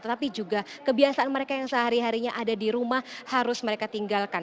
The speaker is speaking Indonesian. tetapi juga kebiasaan mereka yang sehari harinya ada di rumah harus mereka tinggalkan